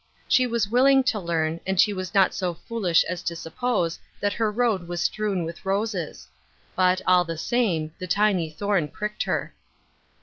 She was willing to learn, and she was not so foolish as to suppose that her road was strewn with roses ; but, all the name, the tiny thorn pricked her.